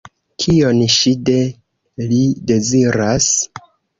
Kion ŝi de li deziras?